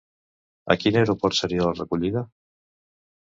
A quin aeroport seria la recollida?